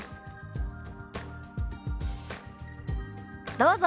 どうぞ。